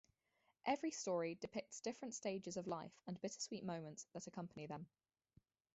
Every story depicts different stages of life and bittersweet moments that accompany them.